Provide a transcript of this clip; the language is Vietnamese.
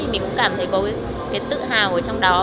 mình cũng cảm thấy có cái tự hào ở trong đó